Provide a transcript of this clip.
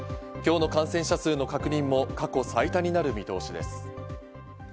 今日の感染者数の確認も過去最多になる見通しです。